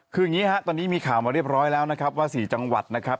คืออย่างนี้ฮะตอนนี้มีข่าวมาเรียบร้อยแล้วนะครับว่า๔จังหวัดนะครับ